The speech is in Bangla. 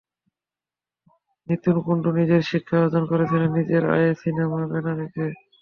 নিতুন কুন্ডু নিজের শিক্ষা অর্জন করেছিলেন নিজের আয়ে, সিনেমার ব্যানার এঁকে।